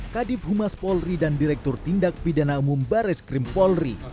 kadif humas polri dan direktur tindak pidana umum baris krim polri